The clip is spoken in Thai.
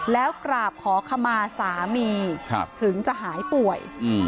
แล้วกราบขอขมาสามีถึงจะหายป่วย